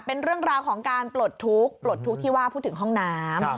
เป็นเรื่องราวของการปลดทุกข์ปลดทุกข์ที่ว่าพูดถึงห้องน้ำ